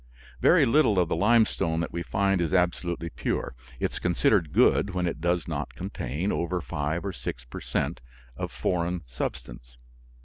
Very little of the limestone that we find is absolutely pure. It is considered good when it does not contain over five or six per cent. of foreign substance.